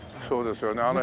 そうですよね。